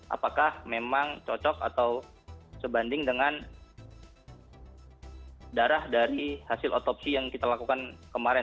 apakah memang cocok atau sebanding dengan darah dari hasil otopsi yang kita lakukan kemarin